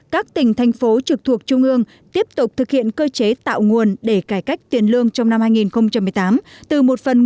các tỉnh thành phố trực thuộc trung ương tiếp tục thực hiện cơ chế tạo nguồn để cải cách tiền lương trong năm hai nghìn một mươi tám